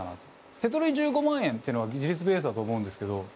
「手取り１５万円」っていうのは技術ベースだと思うんですけど。